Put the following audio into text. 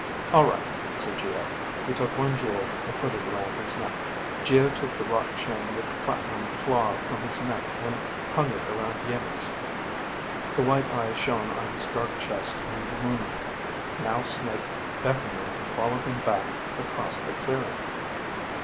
"All right," said Geo. He took one jewel and put it around his neck. Geo took the wrought chain with the platinum claw from his neck and hung it around Iimmi's. The white eye shown on his dark chest in the moonlight. Now Snake beckoned them to follow him back across the clearing.